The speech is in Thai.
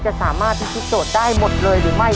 จะสามารถพิธีโจทย์ได้หมดเลยหรือไม่